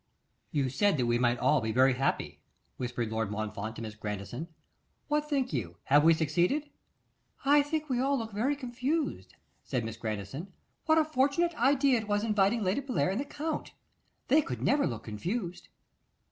'You said that we might all be very happy,' whispered Lord Montfort to Miss Grandison. 'What think you; have we succeeded?' 'I think we all look very confused,' said Miss Grandison. 'What a fortunate, idea it was inviting Lady Bellair and the Count. They never could look confused.